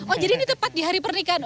oh jadi ini tepat di hari pernikahan